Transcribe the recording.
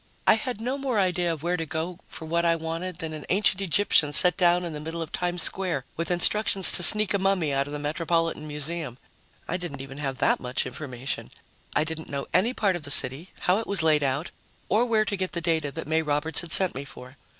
I had no more idea of where to go for what I wanted than an ancient Egyptian set down in the middle of Times Square with instructions to sneak a mummy out of the Metropolitan Museum. I didn't even have that much information. I didn't know any part of the city, how it was laid out, or where to get the data that May Roberts had sent me for.